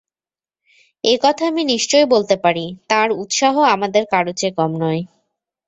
এ কথা আমি নিশ্চয় বলতে পারি, তাঁর উৎসাহ আমাদের কারো চেয়ে কম নয়।